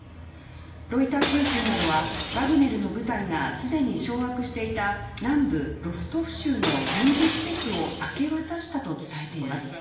ロイター通信などはワグネルの部隊がすでに掌握していた南部ロストフ州の軍事施設を明け渡したと伝えています。